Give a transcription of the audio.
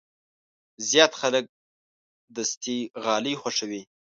زیات خلک دستي غالۍ خوښوي.